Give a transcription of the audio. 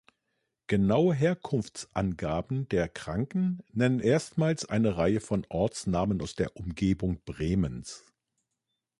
Genaue Herkunftsangaben der Kranken nennen erstmals eine Reihe von Ortsnamen aus der Umgebung Bremens.